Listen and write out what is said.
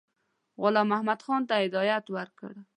غلام محمدخان ته هدایت ورکړ.